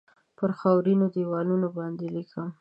پر خاورینو دیوالونو باندې لیکم